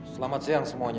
selamat siang semuanya